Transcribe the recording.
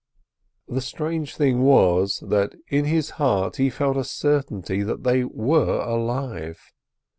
The strange thing was, that in his heart he felt a certainty that they were alive.